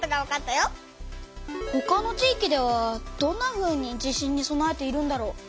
ほかの地域ではどんなふうに地震にそなえているんだろう？